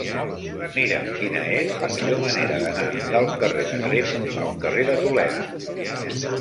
Mira'm quina és la millor manera d'anar del carrer de Tremp al carrer de Toledo.